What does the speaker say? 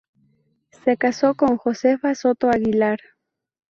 Se casó con Josefa Soto-Aguilar.